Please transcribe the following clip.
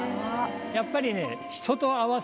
やっぱりね。